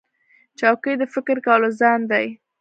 چوکۍ د فکر کولو ځای دی.